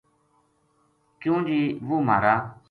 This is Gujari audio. کیوں جی وہ مہارا